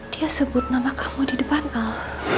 dia sebut nama kamu di depan al